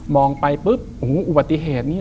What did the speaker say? มองไปปุ๊บอุบัติเหตุ